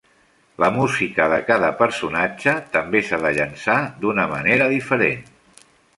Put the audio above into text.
La música de cada personatge també s'ha de llançar d'una manera diferent.